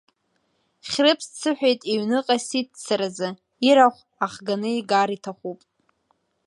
Хьрыԥс дсыҳәеит иҩныҟа сиццаразы, ирахә ахганы игар иҭахуп.